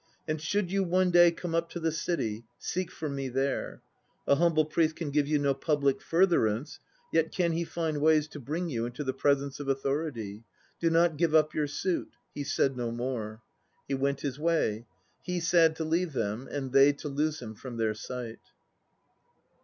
"And should you one day come up to the City, seek for me there. A humble priest can give you no public furtherance, yet can he find ways to bring you into the presence of Authority. Do not give up your suit." He said no more. He went his way, he sad to leave them and they to lose him from their sight.